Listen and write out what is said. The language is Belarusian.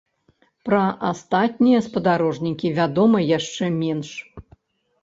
Пра астатнія спадарожнікі вядома яшчэ менш.